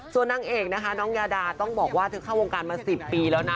ส่วนนางเอกนะคะน้องยาดาต้องบอกว่าเธอเข้าวงการมา๑๐ปีแล้วนะ